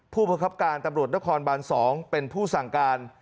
ผู้บังคับการตำรวจนครบาน๒เป็นผู้สั่งการ